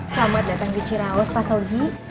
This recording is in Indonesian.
selamat datang ke ciraus pak srogi